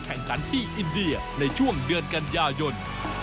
แข่งขันที่อินเดียในช่วงเดือนกันยายน